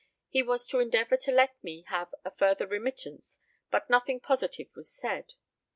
He was to endeavour to let me have a further remittance, but nothing positive was said.